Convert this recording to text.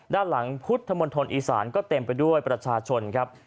ด้านหลังพุทธมณฑลอีสานก็เต็มไปด้วยประชาชนครับ